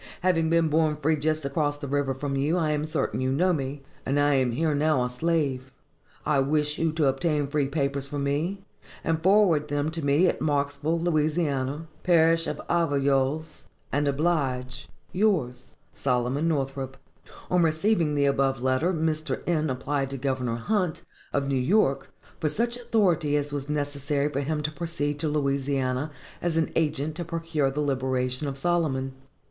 Having been born free just across the river from you, I am certain you know me; and I am here now a slave. I wish you to obtain free papers for me, and forward them to me at Marksville, Louisiana, Parish of Avovelles, and oblige Yours, SOLOMON NORTHROP. On receiving the above letter, Mr. N. applied to Governor Hunt, of New York, for such authority as was necessary for him to proceed to Louisiana as an agent to procure the liberation of Solomon.